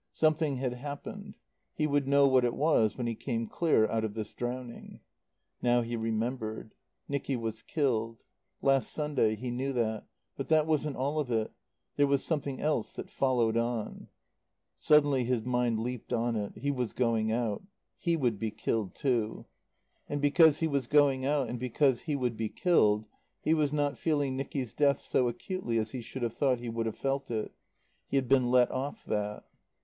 Something had happened. He would know what it was when he came clear out of this drowning. Now he remembered. Nicky was killed. Last Sunday. He knew that. But that wasn't all of it. There was something else that followed on Suddenly his mind leaped on it. He was going out. He would be killed too. And because he was going out, and because he would be killed, he was not feeling Nicky's death so acutely as he should have thought he would have felt it. He had been let off that.